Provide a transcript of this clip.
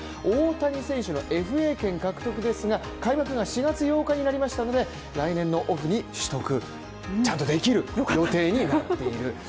大谷選手のＦＡ権獲得ですが、開幕が４月８日になりましたので来年のオフに取得、ちゃんとできる予定になっている。